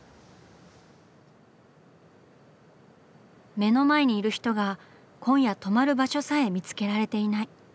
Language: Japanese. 「目の前にいる人が今夜泊まる場所さえ見つけられていない」。